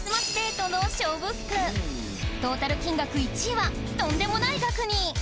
トータル金額１位はとんでもない額に！